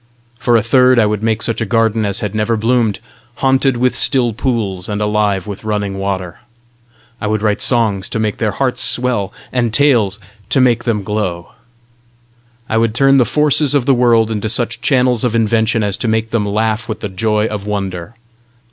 For a third I would make such a garden as had never bloomed, haunted with still pools, and alive with running waters! I would write songs to make their hearts swell, and tales to make them glow! I would turn the forces of the world into such channels of invention as to make them laugh with the joy of wonder!